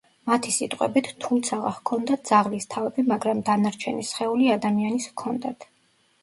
მათი სიტყვებით: „თუმცაღა ჰქონდათ ძაღლის თავები, მაგრამ დანარჩენი სხეული ადამიანის ჰქონდათ“.